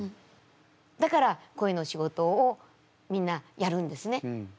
だから声の仕事をみんなやるんですね。